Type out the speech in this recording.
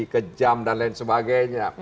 kejam dan lain sebagainya